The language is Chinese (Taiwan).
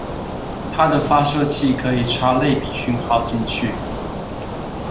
它的發射器可以插類比訊號進去